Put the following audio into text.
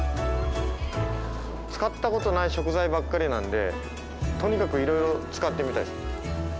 使ったことない食材ばっかりなのでとにかくいろいろ使ってみたいですね。